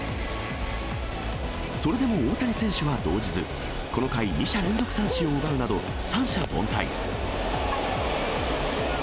それでも大谷選手は動じず、この回、２者連続三振を奪うなど、三者凡退。